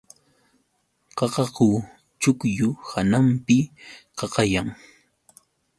Qaqaku chuqllu hananpi qaqayan.